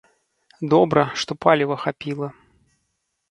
Добра, што паліва хапіла.